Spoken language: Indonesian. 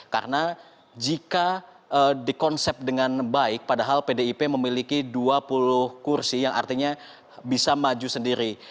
karena jika dikonsep dengan baik padahal pdip memiliki dua puluh kursi yang artinya bisa maju sendiri